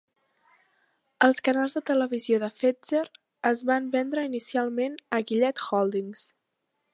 Els canals de televisió de Fetzer es van vendre inicialment a Gillett Holdings.